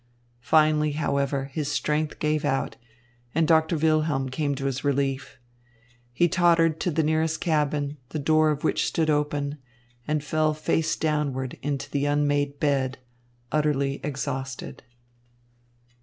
Finally, however, his strength gave out, and Doctor Wilhelm came to his relief. He tottered into the nearest cabin, the door of which stood open, and fell face downward into the unmade bed, utterly exhausted.